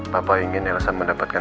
papa ingin elsa mendapatkan